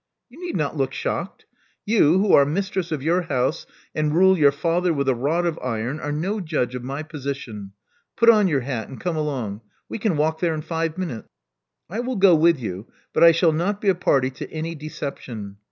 You need not look shocked. You, who are mistress of your house, and rule your father with a rod of iron, are no judge of my position. Put on your hat, and come along. We can walk there in five minutes." I will go with you; but I shall not be a party to any deception.